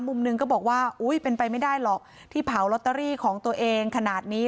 มุมหนึ่งก็บอกว่าอุ้ยเป็นไปไม่ได้หรอกที่เผาลอตเตอรี่ของตัวเองขนาดนี้